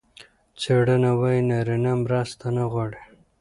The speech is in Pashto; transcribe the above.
څېړنه وايي نارینه مرسته نه غواړي.